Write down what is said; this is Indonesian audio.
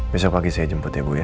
besok pagi saya jemput ya bu ya